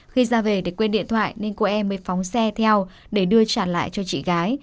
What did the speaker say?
khi ra về để quên điện thoại nên cô em mới phóng xe theo để đưa trả lại cho chị gái